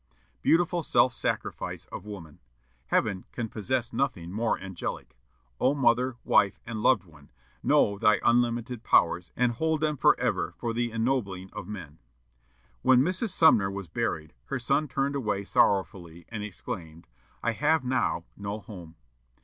Beautiful self sacrifice of woman! Heaven can possess nothing more angelic. O mother, wife, and loved one, know thine unlimited powers, and hold them forever for the ennobling of men! When Mrs. Sumner was buried, her son turned away sorrowfully, and exclaimed, "I have now no home."